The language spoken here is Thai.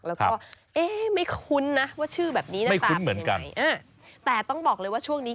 แล้วก็เอ๊ะไม่คุ้นนะว่าชื่อแบบนี้น่าจะคุ้นเหมือนกันแต่ต้องบอกเลยว่าช่วงนี้